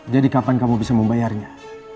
kapan kamu bisa membayarnya